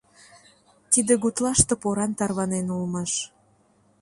Тиде гутлаште поран тарванен улмаш.